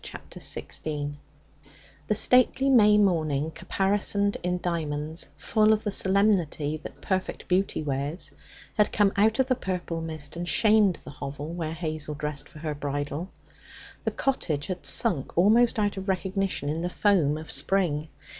Chapter 16 The stately May morning, caparisoned in diamonds, full of the solemnity that perfect beauty wears, had come out of the purple mist and shamed the hovel where Hazel dressed for her bridal. The cottage had sunk almost out of recognition in the foam of spring.